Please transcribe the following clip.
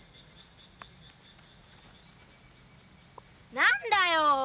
何だよ。